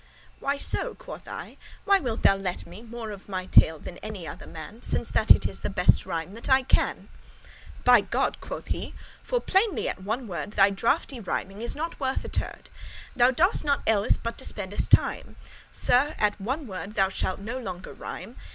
"Why so?" quoth I; "why wilt thou lette* me *prevent More of my tale than any other man, Since that it is the best rhyme that I can?"* *know "By God!" quoth he, "for, plainly at one word, Thy drafty rhyming is not worth a tord: Thou dost naught elles but dispendest* time. *wastest Sir, at one word, thou shalt no longer rhyme.